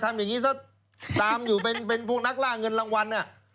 ทำอย่างนี้ซะตามอยู่เป็นพวกนักล่าเงินรางวัล